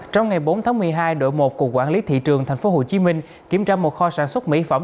trong ngày bốn tháng một mươi hai đội một của quản lý thị trường thành phố hồ chí minh kiểm tra một kho sản xuất mỹ phẩm